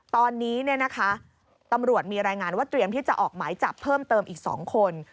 ตอนนี้ตำรวจมีรายงานว่าเตรียมที่จะออกหมายจับเพิ่มเติมอีก๒คน